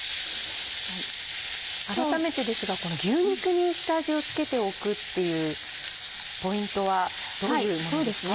改めてですがこの牛肉に下味を付けておくっていうポイントはどういうものですか？